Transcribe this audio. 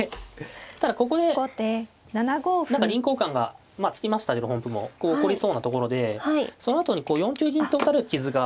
ただここで何か銀交換が突きましたけど本譜もこう起こりそうなところでそのあとにこう４九銀と打たれる傷があるんですよね。